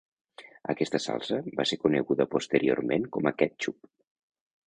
Aquesta salsa va ser coneguda posteriorment com a quètxup.